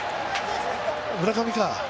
村上か。